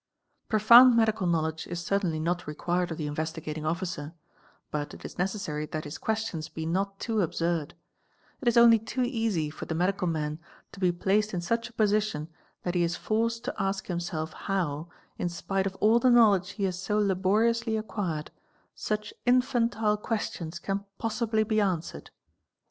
Profound medical knowledge is — certainly not required of the Investigating Officer; but it is necessary — that his questions be not too absurd"; it is only too easy for the medical man to be placed in such a position that he 1s forced to ask — himself how, in spite of all the knowledge he has so laboriously acquired, — such infantile questions can possibly be answered.